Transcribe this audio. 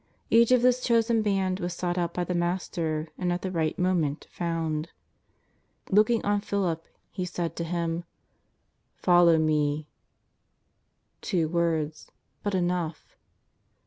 Each of this chosen band was sought out by the Master, and at the right moment found. Looking on Philip He said to him: " Follow Me." Two words, but enough.